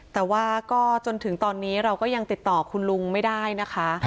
แต่ว่าก็จนถึงตอนนี้เราก็ยังติดต่อคุณลุงไม่ได้นะคะ